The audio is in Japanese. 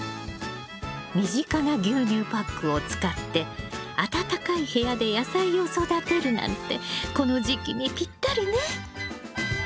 身近な牛乳パックを使って暖かい部屋で野菜を育てるなんてこの時期にぴったりね。